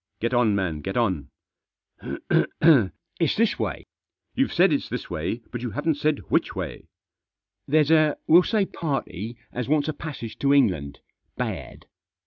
" Get on, man, get on !"" If s this way." " You've said it's this way, but you haven't said which way." " There's a — we'll say party, as wants a passage to England, bad."